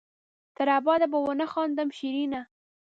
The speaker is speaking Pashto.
تر ابده به ونه خاندم شېرينه